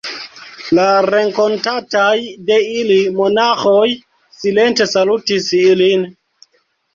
La renkontataj de ili monaĥoj silente salutis ilin.